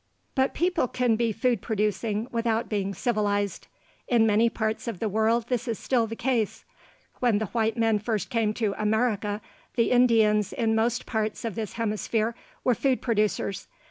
But people can be food producing without being civilized. In many parts of the world this is still the case. When the white men first came to America, the Indians in most parts of this hemisphere were food producers.